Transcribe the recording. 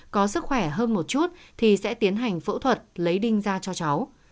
có sức khỏe hơn một chút thì sẽ tiến hành phẫu thuật lấy đinh ra cho cháu